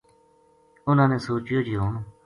اُنھاں نے سوچیو جے ہن